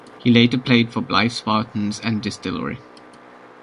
He later played for Blyth Spartans and Distillery.